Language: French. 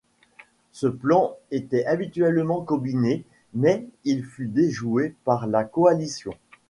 Ce plan était habilement combiné, mais il fut déjoué par la coalition.